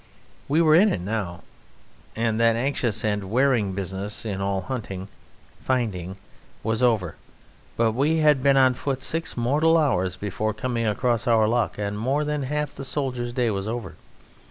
We were in it now, and that anxious and wearing business in all hunting, finding, was over; but we had been on foot six mortal hours before coming across our luck, and more than half the soldiers' day was over.